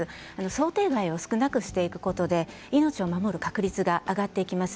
想定外を少なくすることで命を守れる確率が上がってきます。